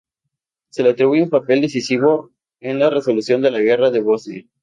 Se le atribuye un papel decisivo en la resolución de la guerra de Bosnia.